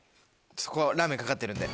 そこはラーメンかかってるんで。